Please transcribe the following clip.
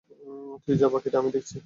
তুই যা, বাকিটা আমি দেখছি।